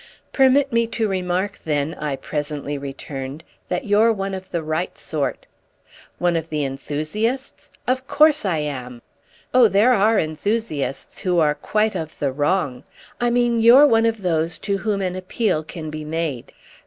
"Permit me to remark then," I presently returned, "that you're one of the right sort." "One of the enthusiasts? Of course I am!" "Oh there are enthusiasts who are quite of the wrong. I mean you're one of those to whom an appeal can be made."